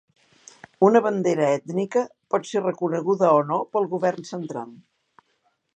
Una bandera ètnica pot ser reconeguda o no pel govern central.